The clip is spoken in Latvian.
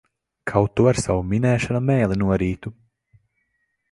Kaut tu ar savu minēšanu mēli norītu!